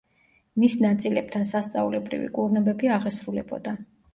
მის ნაწილებთან სასწაულებრივი კურნებები აღესრულებოდა.